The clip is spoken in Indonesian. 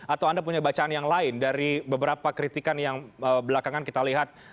atau anda punya bacaan yang lain dari beberapa kritikan yang belakangan kita lihat